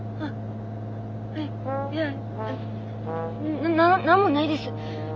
いや何何もないです。